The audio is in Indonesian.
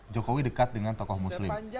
jokowi dekat dengan tokoh muslim